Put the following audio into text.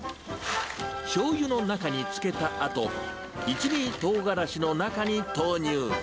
しょうゆの中に漬けたあと、一味トウガラシの中に投入。